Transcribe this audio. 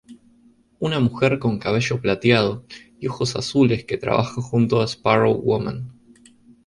Una mujer con cabello plateado y ojos azules que trabaja junto a Sparrow Woman.